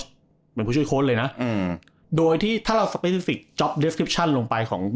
เหมือนผู้ช่วยโค้ชเลยนะอืมโดยที่ถ้าเราลงไปของ